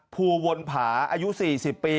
ภูวนผาอายุ๔๐ปี